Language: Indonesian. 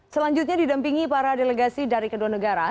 selanjutnya didampingi para delegasi dari kedua negara